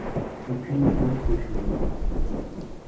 پھوپھی مچ خوش ہوئی